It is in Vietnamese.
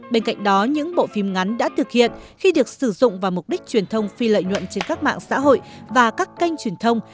bên cạnh đó những bộ phim ngắn đã thực hiện khi được sử dụng vào mục đích truyền thông phi lợi nhuận trên các mạng xã hội và các kênh truyền thông